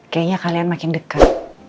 kayaknya kalian makin dekat